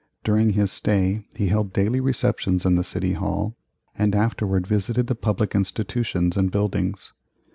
During his stay he held daily receptions in the City Hall, and afterward visited the public institutions and buildings.